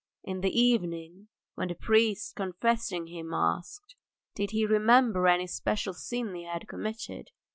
In the evening, when the priest confessing him asked, Did he remember any special sin he had committed?